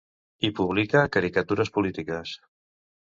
Hi publica caricatures polítiques.